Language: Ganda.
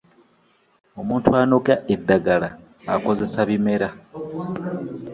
Omuntu anoga eddagala akozesa bimera.